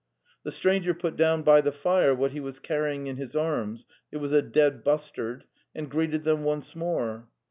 The stranger put down by the fire what he was carrying in his arms — it was a dead bustard — and greeted them once more.